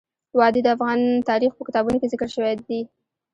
وادي د افغان تاریخ په کتابونو کې ذکر شوی دي.